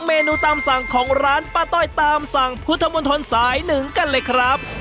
เมนูตามสั่งของร้านป้าต้อยตามสั่งพุทธมนตรสายหนึ่งกันเลยครับ